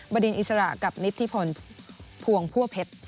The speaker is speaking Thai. บดินอิสระกับนิทธิพลพวงพั่วเพชร